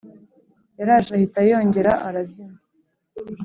Yaraje ahita yongera arazima